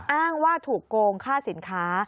อ้างว่าถูกโกงค่าสินค้า